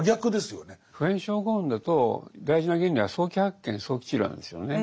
普遍症候群だと大事な原理は早期発見早期治療なんですよね。